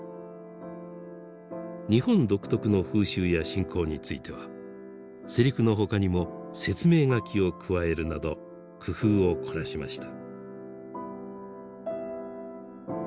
日本独特の風習や信仰についてはセリフの他にも説明書きを加えるなど工夫を凝らしました。